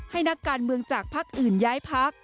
นักการเมืองจากภักดิ์อื่นย้ายพัก